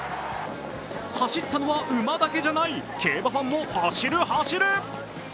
走ったのは馬だけじゃない競馬ファンも走る、走る。